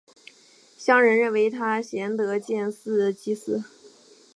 乡人认为他贤德建祠祭祀。